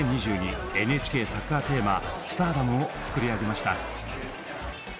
ＮＨＫサッカーテーマ「Ｓｔａｒｄｏｍ」を作り上げました。